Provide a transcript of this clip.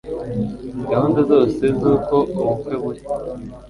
gahunda zose zuko ubukwe buri